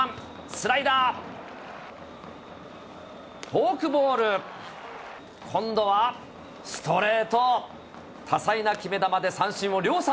スライダー、フォークボール、今度はストレート、多彩な決め球で三振を量産。